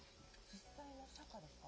実際の社歌ですか？